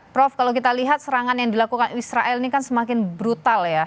prof kalau kita lihat serangan yang dilakukan israel ini kan semakin brutal ya